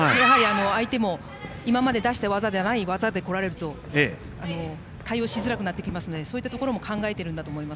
相手も、今まで出したのではない技でこられると対応しづらいのでそういったところも考えていると思います。